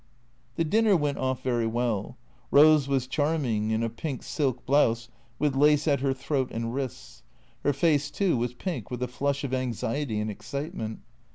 The dinner went off very well. Rose was charming in a pink silk blouse with lace at her throat and wrists. Her face too was pink with a flush of anxiety and excitement.